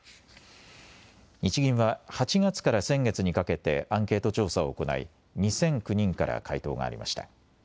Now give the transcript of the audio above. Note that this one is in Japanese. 日銀は８月から先月にかけてアンケート調査を行い２００９人から回答がありました。